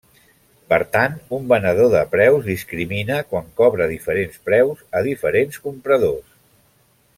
Per tant, un venedor de preus discrimina quan cobra diferents preus a diferents compradors.